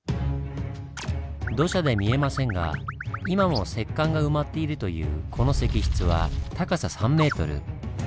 土砂で見えませんが今も石棺が埋まっているというこの石室は高さ３ｍ。